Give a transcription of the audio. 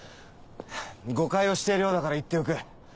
誤解をしているようだから言っておく。